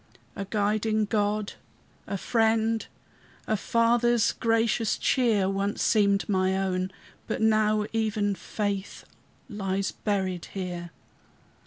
A guiding God, a Friend, A Father's gracious cheer, Once seemed my own; but now even faith Lies buried here.